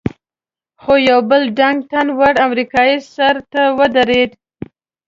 خو یو بل ډنګ، تن ور امریکایي سر ته ودرېد.